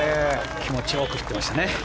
気持ちよく振っていきますね。